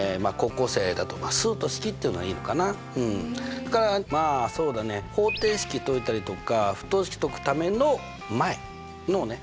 それからまあそうだね方程式解いたりとか不等式解くための前のね